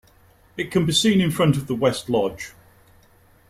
It can be seen in front of the West Lodge.